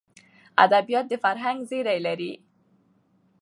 ادبیات د فرهنګ زېری لري.